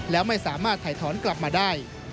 แล้วไม่สามารถถ่ายถอนกลับมาได้